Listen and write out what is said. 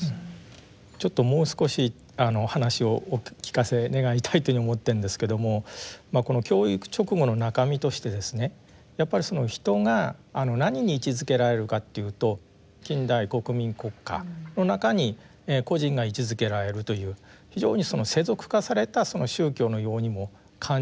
ちょっともう少し話をお聞かせ願いたいというふうに思ってるんですけどもこの教育勅語の中身としてやっぱり人が何に位置づけられるかというと近代国民国家の中に個人が位置づけられるという非常に世俗化された宗教のようにも感じるわけですよね。